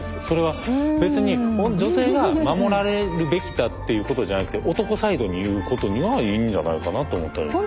それは別に女性が守られるべきだっていうことじゃなくて男サイドに言うことにはいいんじゃないかなと思ったり。